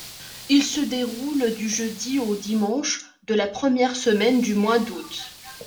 Il se déroule du jeudi au dimanche de la première semaine du mois d'août.